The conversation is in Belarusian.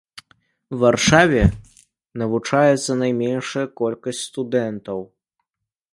Варшаве навучаецца найменшая колькасць студэнтаў.